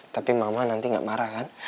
tapi mama nanti gak marah kan